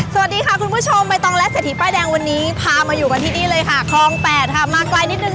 สวัสดีค่ะคุณผู้ชมใบตองและเศรษฐีป้ายแดงวันนี้พามาอยู่กันที่นี่เลยค่ะคลองแปดค่ะมาไกลนิดนึง